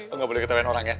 oh gak boleh ketepen orang ya